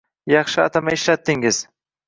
Yaxshi atama ishlatdingiz.